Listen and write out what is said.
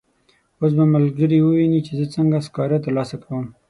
اوس به ملګري وویني چې زه څنګه سکاره ترلاسه کوم.